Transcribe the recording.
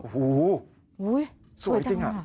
โอ้โฮสวยจัง